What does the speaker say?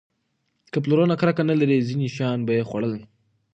که پلرونه کرکه نه لرله، ځینې شیان به یې خوړل.